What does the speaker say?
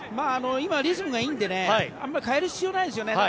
今、リズムがいいので変える必要はないですね。